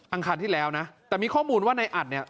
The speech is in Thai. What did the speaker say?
คารที่แล้วนะแต่มีข้อมูลว่าในอัดเนี่ย